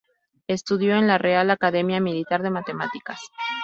Estudió en la Real Academia Militar de Matemáticas.